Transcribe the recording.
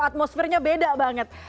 atmosfernya beda banget